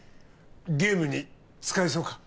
ゲームに使えそうか？